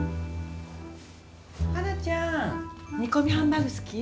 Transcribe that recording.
花ちゃん煮込みハンバーグ、好き？